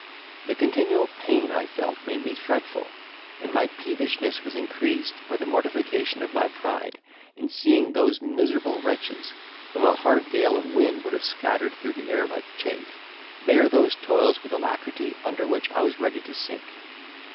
The continual pain I felt made me fretful, and my peevishness was increased by the mortification of my pride in seeing those miserable wretches, whom a hard gale of wind would have scattered through the air like chaff, bear those toils with alacrity under which I was ready to sink.